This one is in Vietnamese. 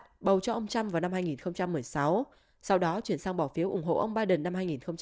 đã bầu cho ông trump vào năm hai nghìn một mươi sáu sau đó chuyển sang bỏ phiếu ủng hộ ông biden năm hai nghìn hai mươi